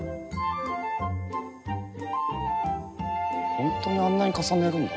本当にあんなに重ねるんだ。